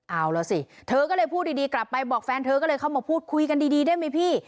เอาล่ะสิเธอก็เลยพูดดีกลับไปบอกแฟนเธอก็เลยเข้ามาพูดคุยกันดีได้ไหมพี่